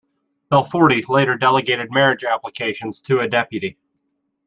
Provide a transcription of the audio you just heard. Belforti later delegated marriage applications to a deputy.